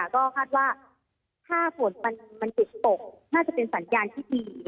ก็คาดว่าถ้าฝนมันหยุดตกน่าจะเป็นสัญญาณที่ดี